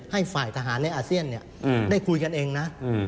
ให้ฝ่ายทหารในอาเซียนได้คุยกันเองนะ